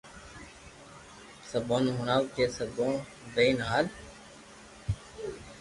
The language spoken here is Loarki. سبوني ھڻاوھ ڪي سبونو لئين ھال